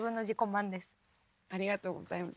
ありがとうございます